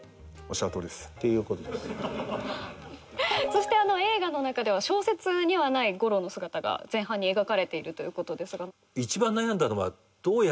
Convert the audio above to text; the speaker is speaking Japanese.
そして映画の中では小説にはない吾郎の姿が前半に描かれているということですが。